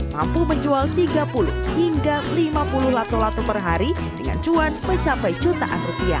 mampu menjual tiga puluh hingga lima puluh lato lato per hari dengan cuan mencapai jutaan rupiah